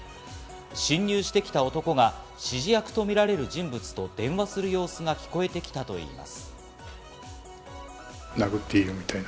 侵入してきた男が指示役とみられる人物と電話する様子が聞こえてきたといいます。